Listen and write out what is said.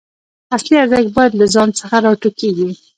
اصلي ارزښت باید له ځان څخه راټوکېږي.